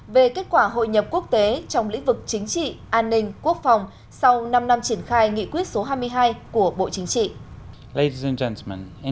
về kết quả hội nhập quốc tế trong lĩnh vực chính trị an ninh quốc phòng sau năm năm triển khai nghị quyết số hai mươi hai của bộ chính trị